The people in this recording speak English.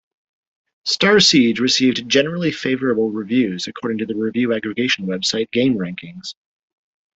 "Starsiege" received "generally favorable reviews" according to the review aggregation website GameRankings.